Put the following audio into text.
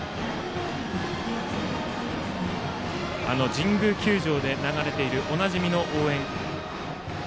神宮球場で流れているおなじみの応援が流れています。